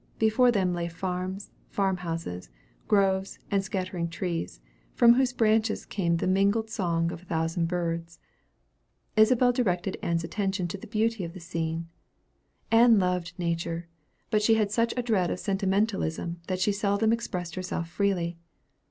Before them lay farms, farm houses, groves and scattering trees, from whose branches came the mingled song of a thousand birds. Isabel directed Ann's attention to the beauty of the scene. Ann loved nature; but she had such a dread of sentimentalism that she seldom expressed herself freely.